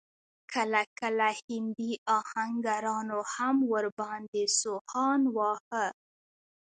کله کله هندي اهنګرانو هم ور باندې سوهان واهه.